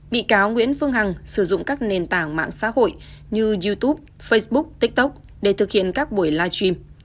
bị cáo nguyễn phương hằng sử dụng các nền tảng mạng xã hội như youtube facebook tiktok để thực hiện các buổi live stream